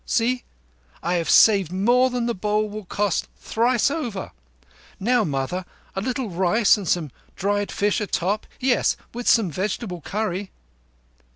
"See! I have saved more than the bowl will cost thrice over. Now, mother, a little rice and some dried fish atop—yes, and some vegetable curry."